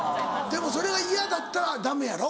でもそれが嫌だったらダメやろ？